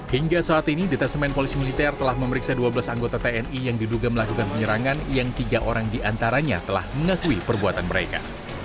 hingga saat ini detasemen polisi militer telah memeriksa dua belas anggota tni yang diduga melakukan penyerangan yang tiga orang diantaranya telah mengakui perbuatan mereka